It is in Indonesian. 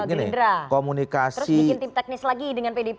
terus bikin tim teknis lagi dengan pdi perjuangan